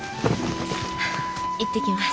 行ってきます。